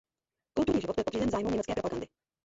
Kulturní život byl podřízen zájmům německé propagandy.